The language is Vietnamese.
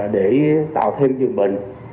để tạo thêm dương bệnh